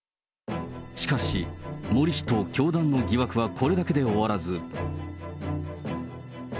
しかし、森氏と教団の疑惑はこれだけで終わらず。